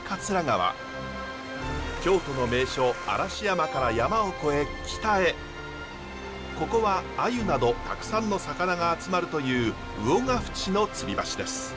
京都の名所嵐山から山を越え北へここはアユなどたくさんの魚が集まるという魚ヶ渕のつり橋です。